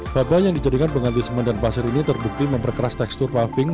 baba yang dijadikan pengganti semen dan pasir ini terbukti memperkeras tekstur paving